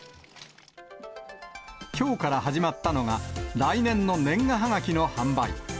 きょうから始まったのが、来年の年賀はがきの販売。